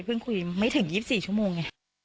เพิ่งคุยไม่ถึง๒๔ชั่วโมง